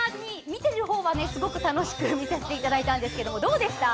見てるほうはすごく楽しく見させていただいたんですけどどうでした？